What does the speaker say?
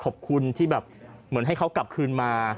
ขอบคุณที่แบบเหมือนให้เขากลับคืนมา